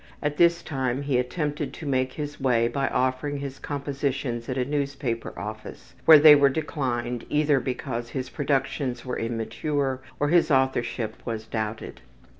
At this time he attempted to make his way by offering his compositions at a newspaper office where they were declined either because his productions were immature or his authorship was doubted.